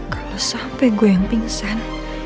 kalau sampai gue yang pingsan